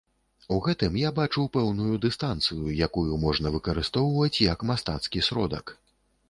У гэтым я бачу пэўную дыстанцыю, якую можна выкарыстоўваць як мастацкі сродак.